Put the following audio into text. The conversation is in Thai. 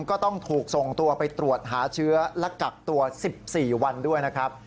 ก็ต้องถูกส่งตัวไปตรวจหาเชื้อและกักตัว๑๔วันด้วยนะครับ